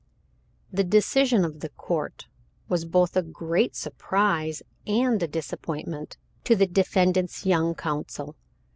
" The decision of the court was both a great surprise and a disappointment to the defendant's young counsel.